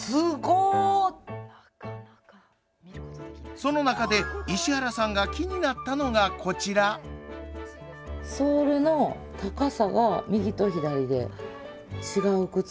その中で石原さんが気になったのがソールの高さが右と左で違う靴。